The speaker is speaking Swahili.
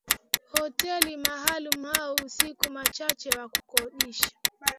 hoteli maalum au usiku machache wa kukodisha